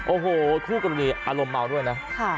โอ้โหคู่กรณีอารมณ์เมาด้วยนะ